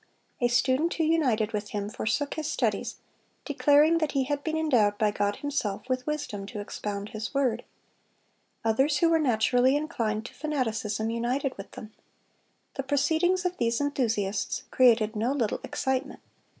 A student who united with him forsook his studies, declaring that he had been endowed by God Himself with wisdom to expound His word. Others who were naturally inclined to fanaticism united with them. The proceedings of these enthusiasts created no little excitement.